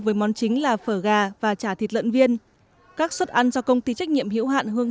với món chính là phở gà và chả thịt lợn viên các suất ăn do công ty trách nhiệm hữu hạn hương